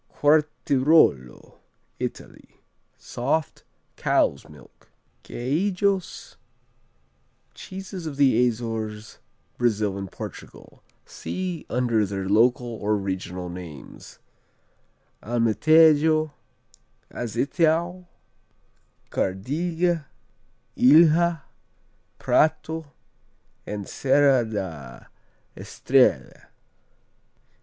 Quartirolo Italy Soft, cow's milk. Queijos Cheeses of the Azores, Brazil and Portugal see under their local or regional names: Alemtejo, Azeitão, Cardiga, Ilha, Prato and Serra da Estrella.